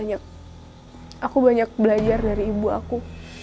aku banyak belajar dari ibu aku